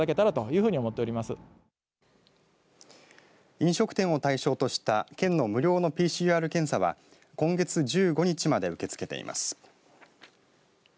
飲食店を対象とした県の無料のＰＣＲ検査は今月１５日まで受け付けています。